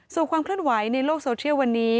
ส่วนความเคลื่อนไหวในโลกโซเทียลวันนี้